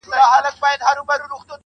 زه به يې ياد يم که نه.